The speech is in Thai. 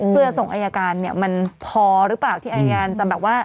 เพื่อส่งอายการเนี่ยมันพอหรือเปล่าที่อายการจะแบบว่า